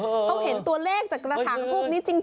เขาเห็นตัวเลขจากกระถางทูปนี้จริง